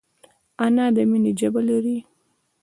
انا د مینې ژبه لري